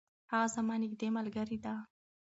هغه زما نږدې ملګرې ده.